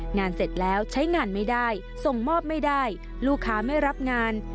เสร็จแล้วใช้งานไม่ได้ส่งมอบไม่ได้ลูกค้าไม่รับงาน